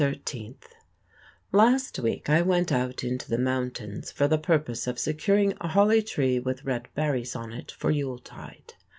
13 Last week I went out into the mountains for the purpose of securing a holly tree with red berries on it for Yuletide.